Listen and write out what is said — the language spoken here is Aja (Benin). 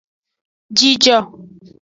Jijo.